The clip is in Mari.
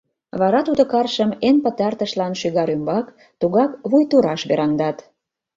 Вара тудо каршым эн пытартышлан шӱгар ӱмбак, тугак вуй тураш вераҥдат.